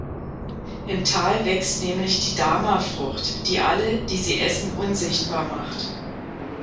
Im Tal wächst nämlich die Dama-Frucht, die alle die sie essen unsichtbar macht.